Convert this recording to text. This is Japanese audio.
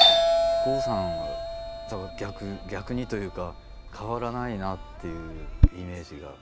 郷さんは逆逆にというか変わらないなっていうイメージが。